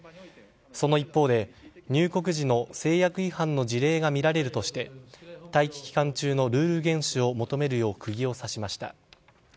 その一方で入国時の制約違反の事例がみられるとして待機期間中のルール厳守を求めるよう釘を刺しました。